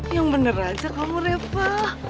yang bener aja kamu repah